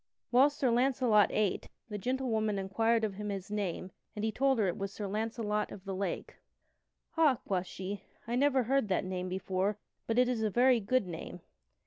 Whilst Sir Launcelot ate, the gentlewoman inquired of him his name and he told her it was Sir Launcelot of the Lake. "Ha!" quoth she, "I never heard that name before, but it is a very good name."